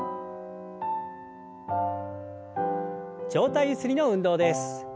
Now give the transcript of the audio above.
上体ゆすりの運動です。